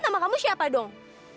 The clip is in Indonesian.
nama kamu siapa dong